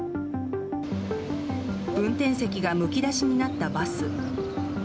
運転席がむき出しになったバス。